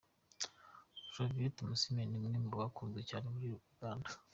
Flavia Tumusiime ni umwe mu bakunzwe cyane muri Uganda.